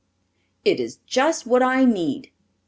"It is just what I need."